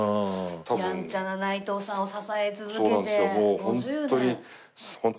やんちゃな内藤さんを支え続けて５０年。